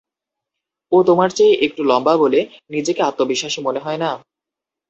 ও তোমার চেয়ে একটু লম্বা বলে, নিজেকে আত্মবিশ্বাসী মনে হয় না?